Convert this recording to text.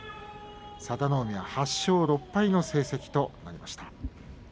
佐田の海は８勝６敗の成績となりました。